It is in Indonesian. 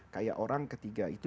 kayak orang ketiga itu